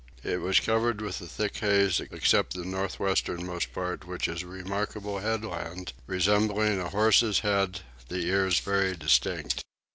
It was covered with a thick haze except the north westernmost part which is a remarkable headland, resembling a horse's head, the ears very distinct.